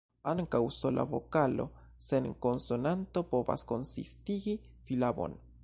Ankaŭ sola vokalo sen konsonanto povas konsistigi silabon.